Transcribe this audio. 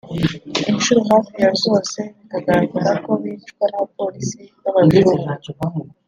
inshuro hafi ya zose bikagaragarako bicwa n’abapolisi b’abazungu